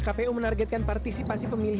kpu menargetkan partisipasi pemilih